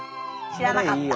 知らなかった。